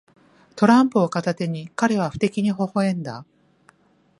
トランプを片手に、彼は不敵にほほ笑んだ。